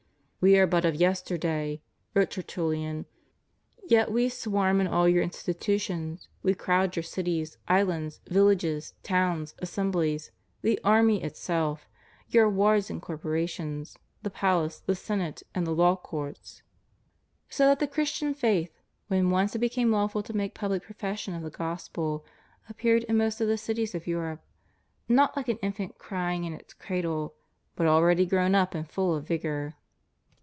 "We are but of yesterday," wrote TertulMan, "yet we swarm in aU your institutions, we crowd your cities, islands, villages, towns, assembhes, the army itself, your wards and corporations, the palace, the senate, and the law courts." So that the Christian faith, when once it be came lawful to make public profession of the Gospel, appeared in most of the cities of Europe, not like an infant crying in its cradle, but already grown up and full oi vigor.